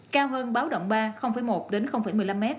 cao hơn báo đồng ba một một mươi năm m